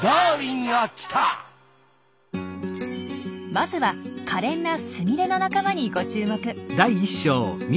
まずはかれんなスミレの仲間にご注目。